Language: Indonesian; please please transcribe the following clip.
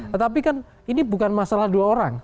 tetapi kan ini bukan masalah dua orang